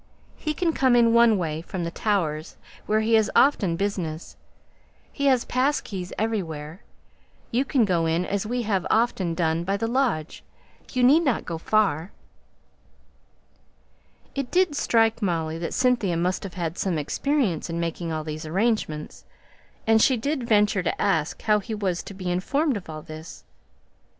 He can come in one way from the Towers, where he has often business he has pass keys everywhere you can go in as we have often done by the lodge you need not go far." It did strike Molly that Cynthia must have had some experience in making all these arrangements; and she ventured to ask how he was to be informed of all this.